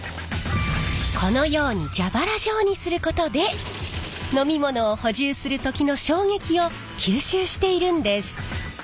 このように蛇腹状にすることで飲み物を補充する時の衝撃を吸収しているんです。